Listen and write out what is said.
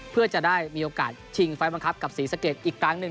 เพื่อจะได้มีโอกาสชิงไฟล์บังคับกับศรีสะเกดอีกครั้งหนึ่ง